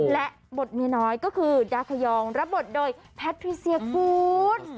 และบทเมียน้อยก็คือดาคายองรับบทโดยแพทริเซียคุณ